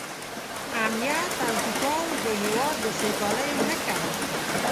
امنیت او ټیکاو د هېواد د سوکالۍ نښه ده.